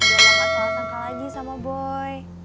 jangan lupa salah tanggal aja sama boy